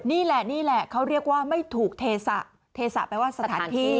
นี่แหละนี่แหละเขาเรียกว่าไม่ถูกเทศะเทศะแปลว่าสถานที่